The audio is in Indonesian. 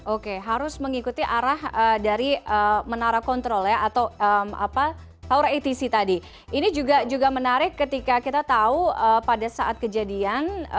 oke harus mengikuti arah dari menara kontrol ya atau tower atc tadi ini juga juga menarik ketika kita tahu pada saat kejadian